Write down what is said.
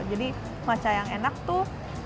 jadi matcha yang enak tuh